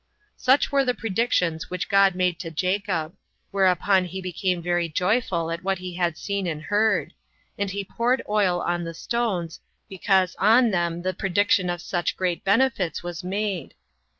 3. Such were the predictions which God made to Jacob; whereupon he became very joyful at what he had seen and heard; and he poured oil on the stones, because on them the prediction of such great benefits was made.